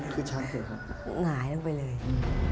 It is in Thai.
คือชั้นเห็นครับหงายลงไปเลย